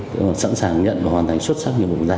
xuất sắc như một quốc gia